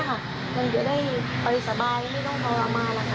มันจะได้ไปสบายไม่ต้องพลมาล่ะค่ะ